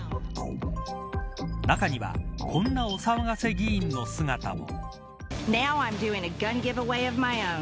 中にはこんなお騒がせ議員の姿も。